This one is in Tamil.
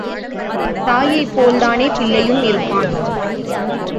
தாயைப் போல்தானே பிள்ளையும் இருப்பான்!